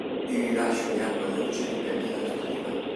Il rilascio di acqua dolce dipende dal clima.